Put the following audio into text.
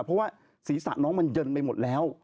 เพราะว่าศีรษะน้องมันเยินไปหมดแล้ว